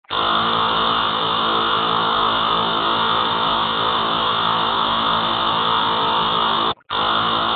والی د ولایت لومړی درجه مسوول دی